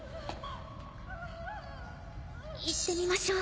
行ってみましょう。